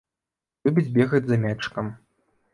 Любіць бегаць за мячыкам.